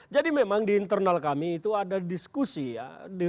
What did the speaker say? jadi memang di internal kami itu ada diskusi ya